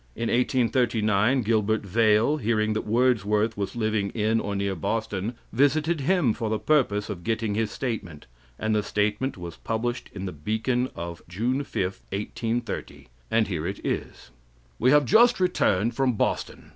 In 1839 Gilbert Vale, hearing that Woodsworth was living in or near Boston, visited him for the purpose of getting his statement, and the statement was published in The Beacon of June 5, 1830, and here it is: "We have just returned from Boston.